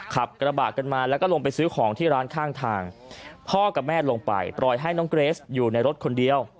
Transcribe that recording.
ขับกระบะกันมาแล้วก็ลงไปซื้อของที่ร้านข้างทางพ่อกับแม่ลงไปปล่อยให้น้องเกรสอยู่ในรถคนเดียว